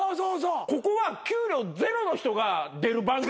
ここは給料ゼロの人が出る番組。